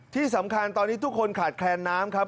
ที่สำคัญตอนนี้ทุกคนขาดแคลนน้ำครับ